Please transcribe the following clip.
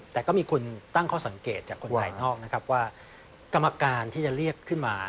แต่ก็มีคนตั้งข้อสังเกตจากคนภายนอกนะครับว่ากรรมการที่จะเรียกขึ้นมา